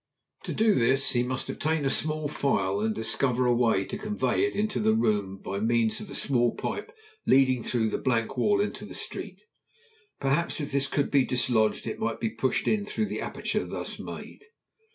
To do this he must obtain a small file and discover a way to convey it into the room by means of the small pipe leading through the blank wall into the street; perhaps if this could be dislodged it might be pushed in through the aperture thus made.